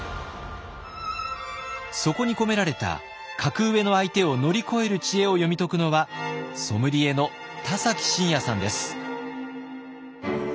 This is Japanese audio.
そこに込められた格上の相手を乗り越える知恵を読み解くのはソムリエの田崎真也さんです。